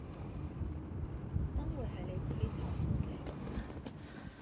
生活係你自己創造嘅